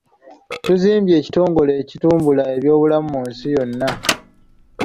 Tuzimbye ekitongole ekitumbula ebyobulamu mu nsi yonna.